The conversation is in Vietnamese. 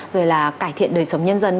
rồi là cải thiện đời sống nhân dân